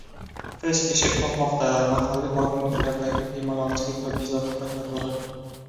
Qish eshik qoqmoqda: mahalliy hokimliklardagi bemalolchilik va bezovta prokuratura...